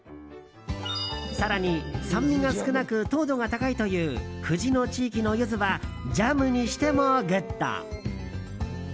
更に酸味が少なく糖度が高いという藤野地域のゆずはジャムにしてもグッド！